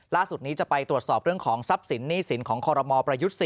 ล่าสุดนี้จะไปตรวจสอบเรื่องของทรัพย์สินหนี้สินของคอรมอลประยุทธ์๔